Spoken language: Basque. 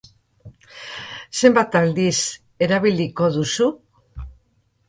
Zenbat aldiz erabiliko duzu?